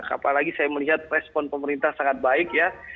apalagi saya melihat respon pemerintah sangat baik ya